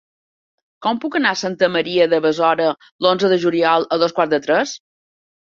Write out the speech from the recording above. Com puc anar a Santa Maria de Besora l'onze de juliol a dos quarts de tres?